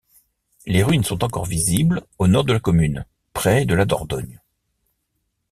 Les ruines sont encore visibles au nord de la commune, près de la Dordogne.